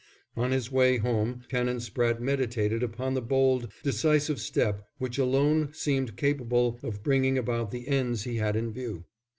On the way home Canon Spratte meditated upon the bold, decisive step which alone seemed capable of bringing about the ends he had in view.